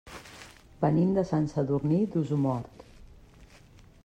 Venim de Sant Sadurní d'Osormort.